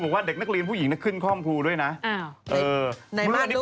เพราะว่าอยากจะอะไรเขาอ้างมาอะไร